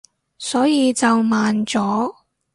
所以就慢咗